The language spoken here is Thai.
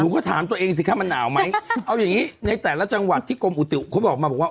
ก็ถามตัวเองสิคะมันหนาวไหมเอาอย่างงี้ในแต่ละจังหวัดที่กรมอุตุเขาบอกมาบอกว่า